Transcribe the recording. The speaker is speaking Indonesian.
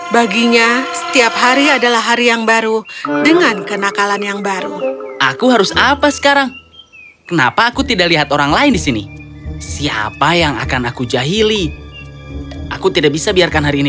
baginya setiap hari adalah hari yang baru dengan kenakalan yang baru